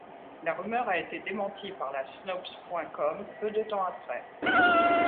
La rumeur a été démentie par la Snopes.com peu de temps après.